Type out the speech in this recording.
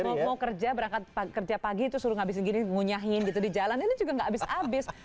kalau mau kerja berangkat kerja pagi itu suruh ngabisin gini ngunyahin gitu di jalan ini juga gak habis habis